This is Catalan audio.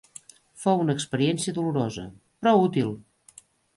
Fou una experiència dolorosa, però útil.